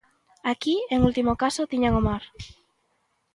Aquí, en último caso tiñan o mar.